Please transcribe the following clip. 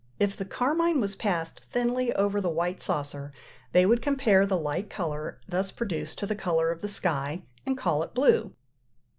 If the carmine was passed thinly over the white saucer, they would compare the light colour thus produced to the colour of the sky, and call it blue.